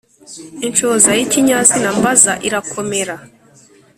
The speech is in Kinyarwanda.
Inshoza y’ikinyazina mbaza irakomera